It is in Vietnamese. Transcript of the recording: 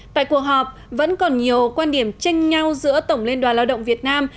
tại cuộc họp vẫn còn nhiều quan điểm tranh nhau giữa tổng liên đoàn lao động việt nam